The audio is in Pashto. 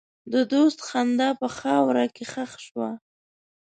د دوست خندا په خاوره کې ښخ شوه.